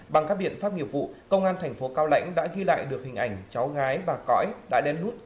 bằng các biện pháp nghiệp vụ công an thành phố cao lãnh đã ghi lại được hình ảnh cháu gái bà cỏi đã đen nút